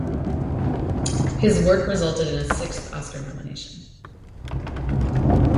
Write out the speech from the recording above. His work resulted in a sixth Oscar nomination.